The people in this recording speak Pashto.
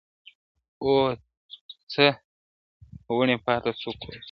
o څه وڼی پاته، څه کوسی پاته٫